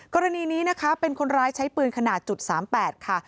กรณีนี้นะคะเป็นคนร้ายใช้ปืนขนาด๓๘ค่ะ